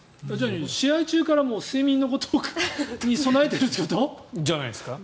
試合中から睡眠のことに備えてるってこと？じゃないですか。